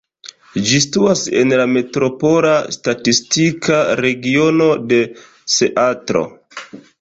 Ĝi situas en la metropola statistika regiono de Seatlo.